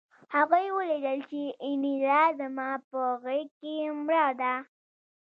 هغوی ولیدل چې انیلا زما په غېږ کې مړه ده